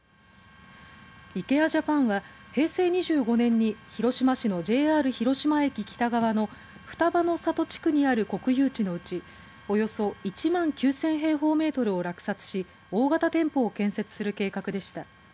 イケア・ジャパンは平成２５年に広島市のＪＲ広島駅北側の二葉の里地区にある国有地のうちおよそ１万９０００平方メートルを落札し大型店舗を建設する計画でした。